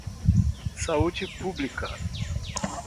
Saúde pública.